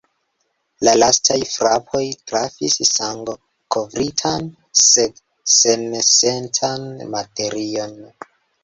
La lastaj frapoj trafis sangokovritan, sed sensentan materion.